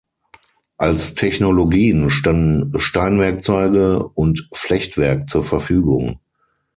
Als Technologien standen Steinwerkzeuge und Flechtwerk zur Verfügung.